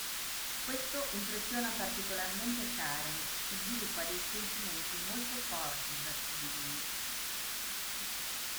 Questo impressiona particolarmente Karen, che sviluppa dei sentimenti molto forti verso di lui.